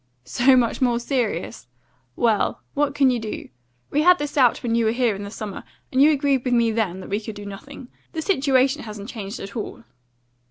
"So much more serious? Well, what can you do? We had this out when you were here in the summer, and you agreed with me then that we could do nothing. The situation hasn't changed at all."